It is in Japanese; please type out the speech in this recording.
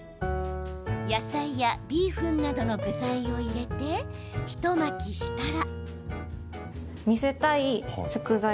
野菜やビーフンなどの具材を入れて、一巻きしたら。